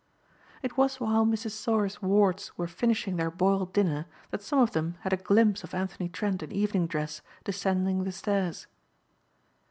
It was while Mrs. Sauer's wards were finishing their boiled dinner that some of them had a glimpse of Anthony Trent in evening dress descending the stairs.